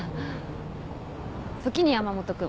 時に山本君。